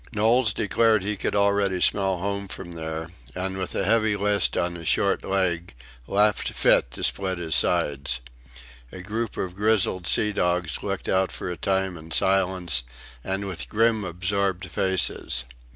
Knowles declared he could already smell home from there, and with a heavy list on his short leg laughed fit to split his sides. A group of grizzled sea dogs looked out for a time in silence and with grim absorbed faces.